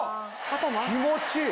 気持ちいい！